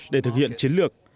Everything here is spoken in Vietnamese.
để thực hiện chiến lược